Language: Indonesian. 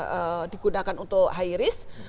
yang digunakan untuk high risk